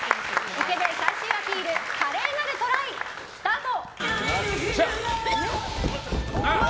イケメン最終アピール華麗なるトライ、スタート！